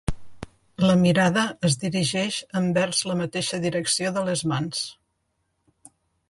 La mirada es dirigeix envers la mateixa direcció de les mans.